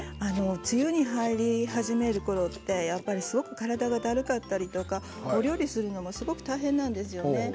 梅雨に入り始めるころってすごく体がだるかったりとかお料理するのも大変なんですよね。